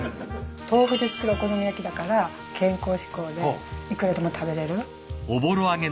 豆腐で作るお好み焼きだから健康志向でいくらでも食べれる。